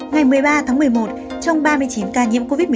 ngày một mươi ba tháng một mươi một trong ba mươi chín ca nhiễm covid một mươi